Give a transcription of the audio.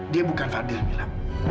dia bukan fadil mila